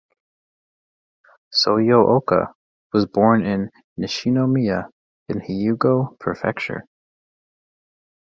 Soyo Oka was born in Nishinomiya in Hyōgo Prefecture.